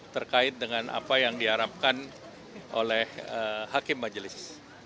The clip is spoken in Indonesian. terkait dengan apa yang diharapkan oleh hakim majelis